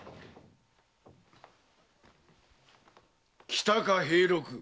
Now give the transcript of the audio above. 来たか兵六。